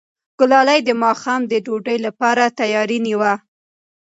ګلالۍ د ماښام د ډوډۍ لپاره تیاری نیوه.